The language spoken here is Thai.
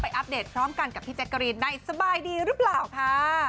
อัปเดตพร้อมกันกับพี่แจ๊กกะรีนในสบายดีหรือเปล่าค่ะ